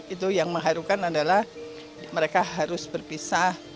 itu yang mengharukan adalah mereka harus berpisah